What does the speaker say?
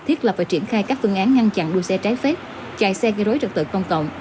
thiết lập và triển khai các phương án ngăn chặn đua xe trái phép chạy xe gây rối trật tự công cộng